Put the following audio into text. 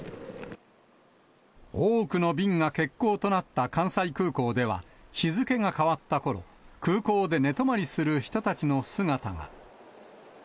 多くの便が欠航となった関西空港では、日付が変わったころ、空港で寝泊まりする人たちの姿が。